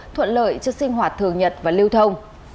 thuận lợi cho sinh hoạt thường nhật và lưu thông